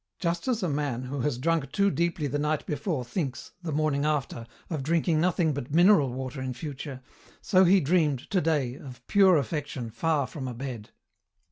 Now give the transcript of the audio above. Just as a man who has drunk too deeply the night before thinks, the morning after, of drinking nothing but mineral water in future, so he dreamed, today, of pure affection far from a bed.